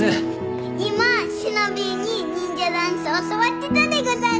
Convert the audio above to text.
今しのびぃに忍者ダンス教わってたでござる！